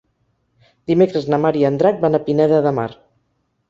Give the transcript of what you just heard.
Dimecres na Mar i en Drac van a Pineda de Mar.